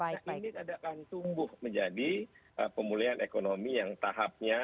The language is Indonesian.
ini keadaan tumbuh menjadi pemulihan ekonomi yang tahapnya